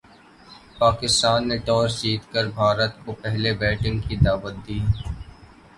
پاکستان نے ٹاس جیت کر بھارت کو پہلے بیٹنگ کی دعوت دی۔